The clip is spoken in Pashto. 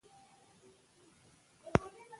هغه هدیرې چې لاندې شوې، قبرونه لري.